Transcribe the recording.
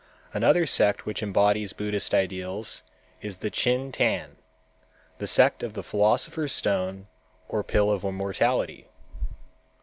Another sect which embodies Buddhist ideals is the Chin Tan, the sect of the philosopher's stone or pill of immortality.